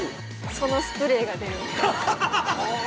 そのスプレーが出る。